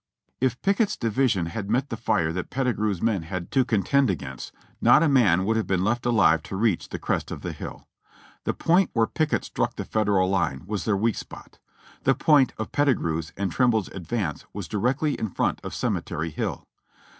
If Pickett's division had met the fire that Pettigrew's men had to contend against, not a man would have been left alive to reach the crest of the hill. The point where Pickett struck the Federal line was their weak spot. The point of Pettigrew's and Trim ble's advance was directly in front of Cemetery Hill.